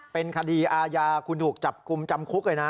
เป็นคดีอาญาคุณถูกจับกลุ่มจำคุกเลยนะ